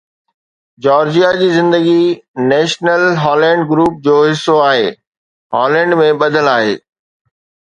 Georgia جي زندگي national Holland group جو حصو آهي هالينڊ ۾ ٻڌل آهي